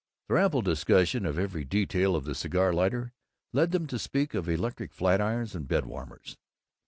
Their ample discussion of every detail of the cigar lighter led them to speak of electric flat irons and bed warmers.